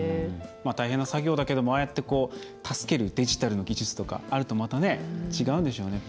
大変な作業だけれどもああやって助けるデジタルの技術とかあるとまた違うんでしょうね。